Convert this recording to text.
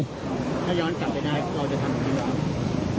ถ้าย้อนกลับไปได้คุณก็จะทำแบบนี้ไหม